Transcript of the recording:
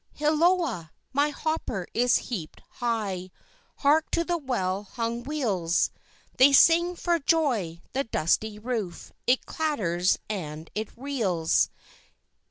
Hilloah! my hopper is heaped high; Hark to the well hung wheels! They sing for joy; the dusty roof It clatters and it reels.